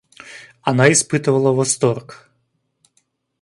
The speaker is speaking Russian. Она испытывала восторг.